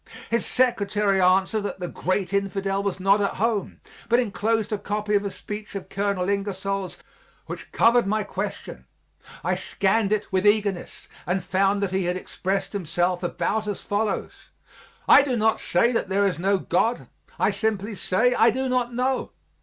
His secretary answered that the great infidel was not at home, but enclosed a copy of a speech of Col. Ingersoll's which covered my question. I scanned it with eagerness and found that he had exprest himself about as follows: "I do not say that there is no God, I simply say I do not know.